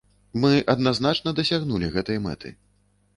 Мы адназначна дасягнулі гэтай мэты.